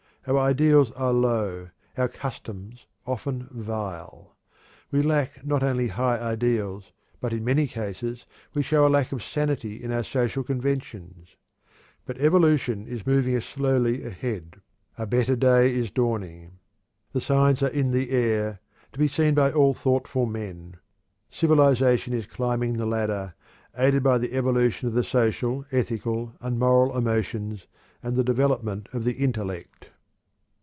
Our ideals are low, our customs often vile. We lack not only high ideals but in many cases we show a lack of sanity in our social conventions. But evolution is moving us slowly ahead. A better day is dawning. The signs are in the air, to be seen by all thoughtful men. Civilization is climbing the ladder, aided by the evolution of the social, ethical, and moral emotions and the development of the intellect.